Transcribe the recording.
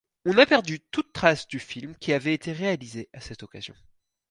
On a perdu toute trace du film qui avait été réalisé à cette occasion.